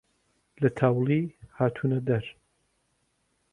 لە تاوڵی هاتوونە دەر